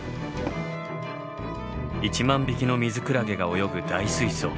１万匹のミズクラゲが泳ぐ大水槽。